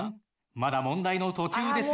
まだ問題の途中ですよ。